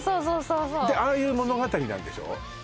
でああいう物語なんでしょ？